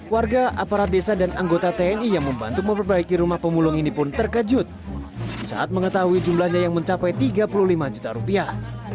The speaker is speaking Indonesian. warga aparat desa dan anggota tni yang membantu memperbaiki rumah pemulung ini pun terkejut saat mengetahui jumlahnya yang mencapai tiga puluh lima juta rupiah